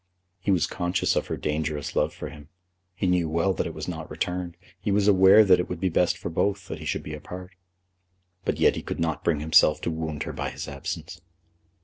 He was conscious of her dangerous love for him. He knew well that it was not returned. He was aware that it would be best for both that he should be apart. But yet he could not bring himself to wound her by his absence.